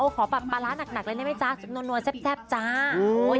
โอ้ขอแบบปลาร้าหนักหนักเลยได้ไหมจ๊ะนวนแซ่บจ๊ะอืม